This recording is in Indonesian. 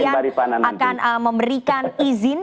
yang akan memberikan izin